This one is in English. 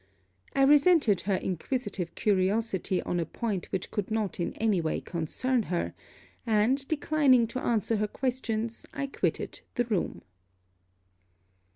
I resented her inquisitive curiosity on a point which could not in any way concern her; and, declining to answer her questions, I quitted the room.